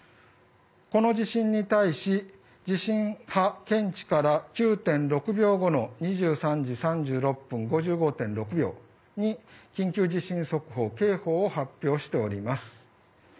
この地震に対し、地震波検知から９．６秒後の２３時２６分５５．６秒に緊急地震速報、警報を発表しております。